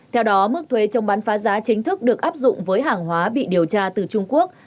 theo đó mức thuế chống bán phá giá chính thức được áp dụng với hàng hóa bị điều tra từ trung quốc